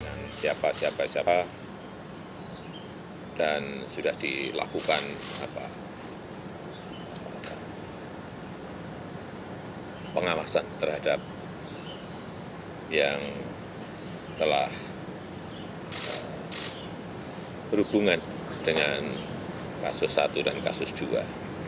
dengan siapa siapa siapa dan sudah dilakukan pengawasan terhadap yang telah berhubungan dengan kasus satu dan kasus dua